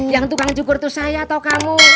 yang tukang cukur tuh saya tau kamu